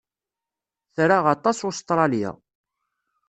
Tra aṭas Ustṛalya.